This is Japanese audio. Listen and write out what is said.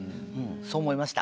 そう思いました。